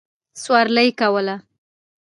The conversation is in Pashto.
سورلي کوله.